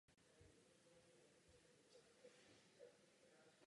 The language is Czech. Musíme jednat.